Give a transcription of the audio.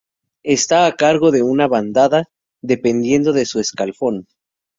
Está a cargo de una Bandada dependiendo de su Escalafón.